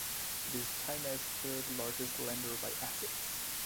It is China's third largest lender by assets.